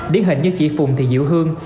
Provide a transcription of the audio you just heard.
điển hình như chị phùng thị diệu hương